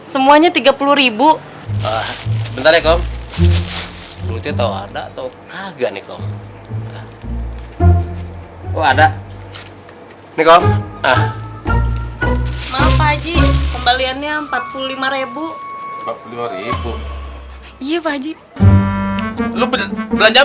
semuanya rp tiga puluh bentar ya kau tahu ada atau kagak nih kau ada nih kau